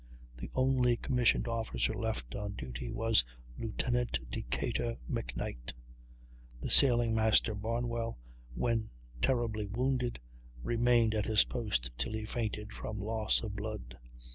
The only commissioned officer left on duty was Lieutenant Decatur McKnight. The sailing master, Barnwell, when terribly wounded, remained at his post till he fainted from loss of blood.